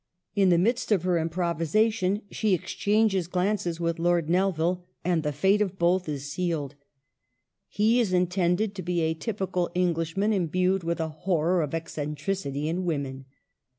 In the midst of her im Digitized by VjOOQLC HER WORKS. 227 provisation she exchanges glances with Lord Nelvil, and the fate of both is sealed. He is in tended to be a typical Englishman imbued with a horror of eccentricity in women.